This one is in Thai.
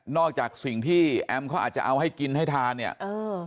จากสิ่งที่แอมเขาอาจจะเอาให้กินให้ทานเนี่ยเออ